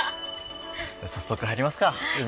早速入りますか海。